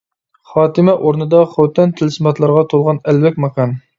خاتىمە ئورنىدا خوتەن تىلسىماتلارغا تولغان ئەلۋەك ماكان.